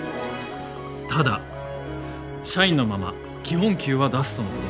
ただ社員のまま基本給は出すとのことです。